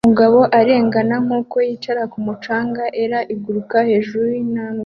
Umugabo arengana nkuko yicaye kumu canga er iguruka hejuru yintambwe